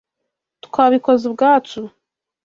Twabikoze ubwacu.